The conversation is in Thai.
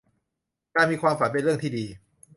การมีความฝันเป็นเรื่องที่ดี